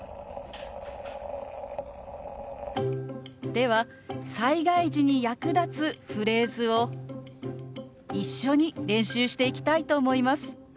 では災害時に役立つフレーズを一緒に練習していきたいと思います。